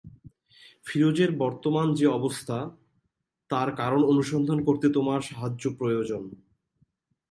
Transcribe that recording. ফিরোজের বর্তমান যে-অবস্থা, তার কারণ অনুসন্ধান করতে তোমার সাহায্য প্রয়োজন।